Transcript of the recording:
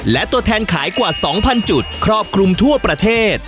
และตัวแทนขายกว่า๒๐๐จุดครอบคลุมทั่วประเทศ